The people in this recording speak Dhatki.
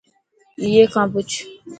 ائي کان پڇ.